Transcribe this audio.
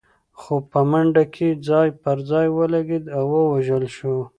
خو په منډه کې ځای پر ځای ولګېد او ووژل شو.